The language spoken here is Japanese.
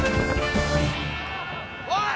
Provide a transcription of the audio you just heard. おい！